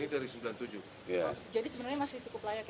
jadi sebenarnya masih cukup layak ya pak